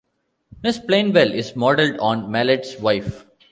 Miss Plainwell is modeled on Mallett's wife.